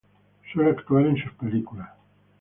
Suele actuar en sus películas.